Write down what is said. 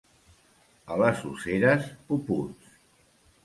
A les Useres, puputs.